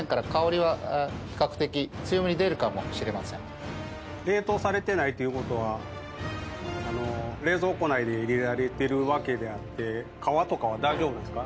この餃子というのは。冷凍されていないという事は冷蔵庫内に入れられているわけであって皮とかは大丈夫なんですか？